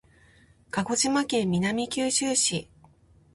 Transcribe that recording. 鹿児島県南九州市